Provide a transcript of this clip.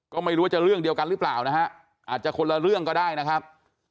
ก็ไม่รู้ว่าจะเรื่องเดียวกันหรือเปล่านะฮะอาจจะคนละเรื่องก็ได้นะครับ